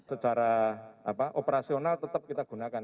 secara operasional tetap kita gunakan